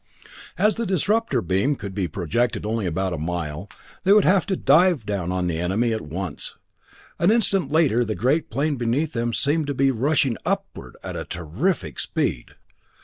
As the disrupter beam could be projected only about a mile, they would have to dive down on the enemy at once; an instant later the great plane beneath them seemed to be rushing upward at a terrific speed.